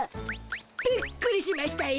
びっくりしましたよ。